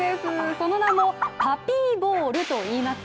その名もパピーボウルといいます。